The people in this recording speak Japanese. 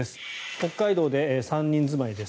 北海道で３人住まいです。